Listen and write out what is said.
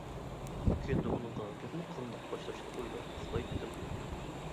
كۈندە ئۇنىڭغا گەپنى قانداق باشلاشنى ئويلاپ ئۇخلايتتىم.